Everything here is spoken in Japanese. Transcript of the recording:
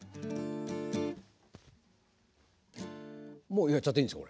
もうやっちゃっていいんですか？